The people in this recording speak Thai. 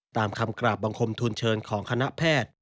ตามคำกราบบังคมทุนเชิญของคณะแพทย์